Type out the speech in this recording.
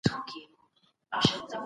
سپورټي لوبغالو کي ځوانان لوبېدل.